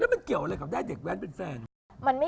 มันเกี่ยวอะไรกับได้เด็กแว้นเป็นแฟนว่ะ